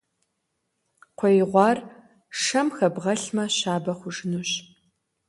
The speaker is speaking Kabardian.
Кхъуей гъуар шэм хэбгъэлъмэ, щабэ хъужынущ.